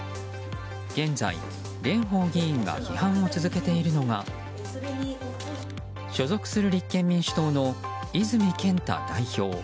現在、蓮舫議員が批判を続けているのが所属する立憲民主党の泉健太代表。